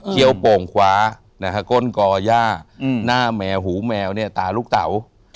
เคี่ยวโป่งขวานะฮะก้นกอหญ้าหน้าแมวหูแมวเนี่ยตาลูกเต่า